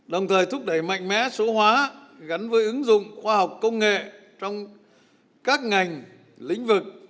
đồng thời thúc đẩy mạnh mẽ số hóa gắn với ứng dụng khoa học công nghệ trong các ngành lĩnh vực